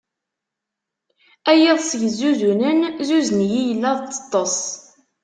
A yiḍes yezzuzunen, zuzen-iyi yelli ad teṭṭes.